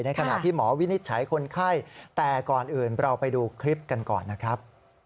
ขณะที่หมอวินิจฉัยคนไข้แต่ก่อนอื่นเราไปดูคลิปกันก่อนนะครับ